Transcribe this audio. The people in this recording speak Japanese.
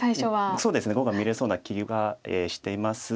そうですね碁が見れそうな気はしていますが。